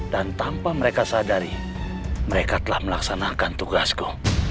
dan tanpa mereka sadari mereka telah melaksanakan tugasku